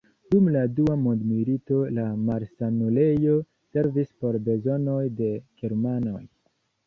Dum la dua mondmilito la malsanulejo servis por bezonoj de germanoj.